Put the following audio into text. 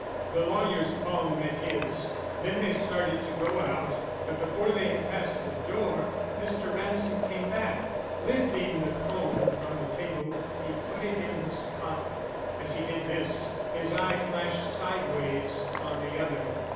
The lawyer's palm met his; then they started to go out; but before they had passed the door, Mr. Ransom came back, and lifting the comb from the table he put it in his pocket. As he did this, his eye flashed sidewise on the other.